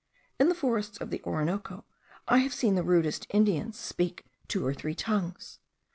In the forests of the Orinoco I have seen the rudest Indians speak two or three tongues.